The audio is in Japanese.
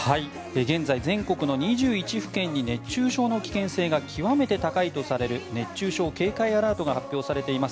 現在、全国の２１府県に熱中症の危険性が極めて高いとされる熱中症警戒アラートが発表されています。